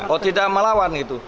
oh tidak melawan itu